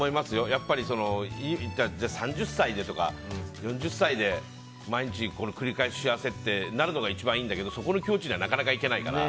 やっぱり３０歳でとか、４０歳で毎日繰り返し幸せってなるのが一番いいんだけどそこの境地にはなかなかいけないから。